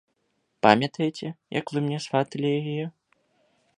Памятаеце, як вы мне сваталі яе?